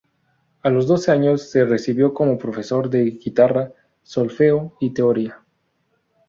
A los doce años se recibió como profesor de guitarra, solfeo y teoría.